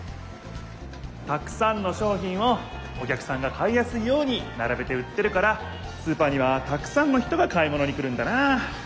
たくさんの商品をお客さんが買いやすいようにならべて売ってるからスーパーにはたくさんの人が買い物に来るんだなあ。